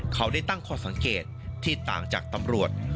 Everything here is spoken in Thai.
เขาได้ตั้งข้อสังเกตที่ต่างจากตำรวจ